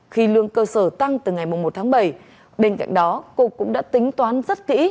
khi lương cơ sở tăng từ ngày một tháng bảy bên cạnh đó cục cũng đã tính toán rất kỹ